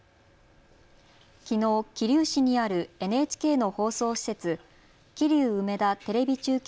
きのう、桐生市にあるＮＨＫの放送施設、桐生梅田テレビ中継